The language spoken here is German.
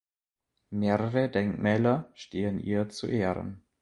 Mehrere Denkmäler stehen ihr zu Ehren.